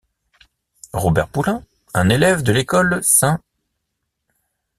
Robert Poulin, un élève de l'école St.